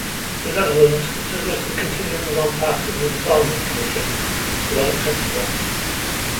The Netherlands considers the continuing impasse in the Disarmament Commission as unacceptable.